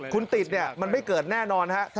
คุณติดมันไม่เกิดแน่นอนนะครับ